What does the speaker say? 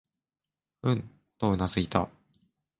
うん、とうなずいた。